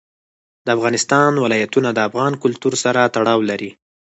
د افغانستان ولايتونه د افغان کلتور سره تړاو لري.